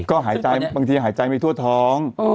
ก็หายใจบางทีหายใจไปทั่วท้อง